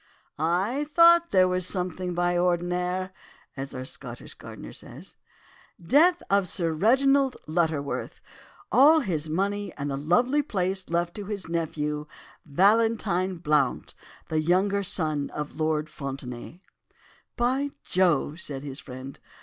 "'I thought there was something "by ordinar," as our Scotch gardener says. "'Death of Sir Reginald Lutterworth, all his money and the lovely place left to his nephew, Valentine Blount, the younger son of Lord Fontenaye.' "'By Jove!' said his friend.